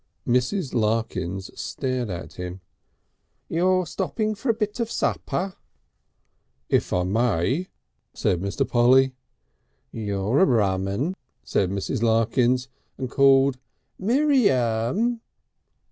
Mrs. Larkins stared at him. "You're stopping for a bit of supper?" "If I may," said Mr. Polly. "You're a rum un," said Mrs. Larkins, and called: "Miriam!"